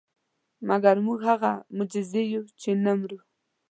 مګر موږ هغه معجزې یو چې نه مرو.